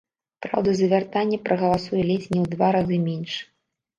Праўда, за вяртанне прагаласуе ледзь не ў два разы менш.